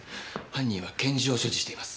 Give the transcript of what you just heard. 犯人は拳銃を所持しています。